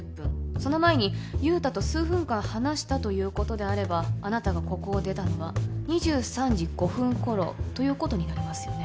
その前に雄太と数分間話したということであればあなたがここを出たのは２３時５分頃ということになりますよね？